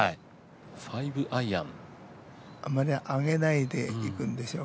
あまり上げないでいくんでしょう。